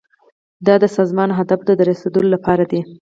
دا د سازمان اهدافو ته د رسیدو لپاره دي.